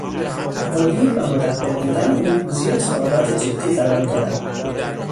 مدیر و مدبّر بودن او زیر سوالات جدی قرار دارد